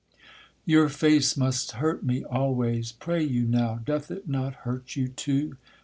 Your face must hurt me always: pray you now, Doth it not hurt you too?